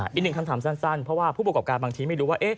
อีกหนึ่งคำถามสั้นเพราะว่าผู้ประกอบการบางทีไม่รู้ว่า